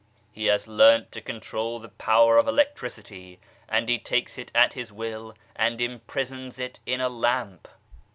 He has learnt to control the power of electricity, and he takes it at his will and imprisons it in a lamp